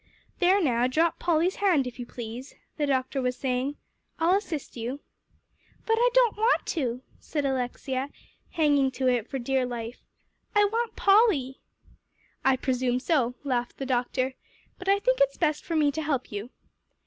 "There now drop Polly's hand, if you please," the doctor was saying; "I'll assist you." "But I don't want to," said Alexia, hanging to it for dear life. "I want Polly." "I presume so," laughed the doctor, "but I think it's best for me to help you."